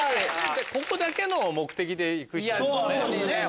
ここだけの目的で行く人もね。